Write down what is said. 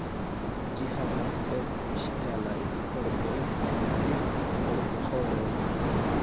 Ĝi havas ses ŝtalajn kordojn en tri kordoĥoroj.